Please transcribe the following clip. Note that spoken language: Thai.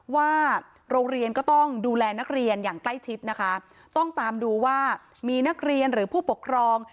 ว่าโรงเรียนก็ต้องดูแลนักเรียนอย่างใกล้ชิดนะคะต้องตามดูว่ามีนักเรียนหรือผู้ปกครอง